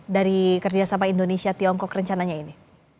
dari kerjasama indonesia tiongkok rencananya ini